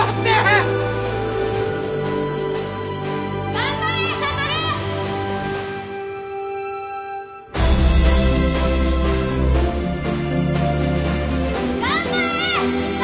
頑張れ！諭！